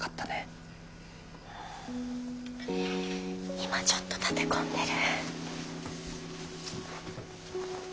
今ちょっと立て込んでる。